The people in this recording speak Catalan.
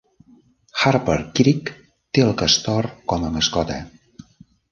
Harper Creek té el castor com a mascota.